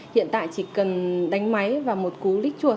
hiện tại chỉ cần đánh máy và một cú lích chuột